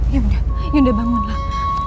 yunda yunda bangunlah